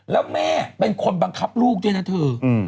แล้วแม่เป็นคนบังคับลูกด้วยนะเธอ